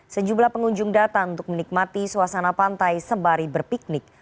sejumlah pengunjung datang untuk menikmati suasana pantai sembari berpiknik